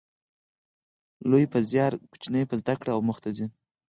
لوی په زیار، کوچنی په زده کړه اموخته و